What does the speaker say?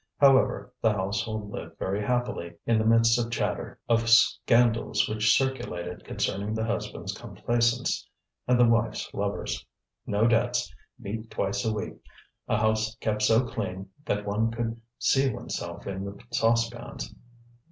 However, the household lived very happily, in the midst of chatter, of scandals which circulated concerning the husband's complaisance and the wife's lovers. No debts, meat twice a week, a house kept so clean that one could see oneself in the saucepans.